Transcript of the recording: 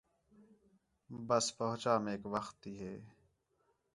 ٻس پہنچا میک وخت تی ہے